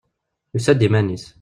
Yusa-d iman-is.